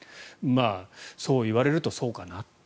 そう言われるとそうかな。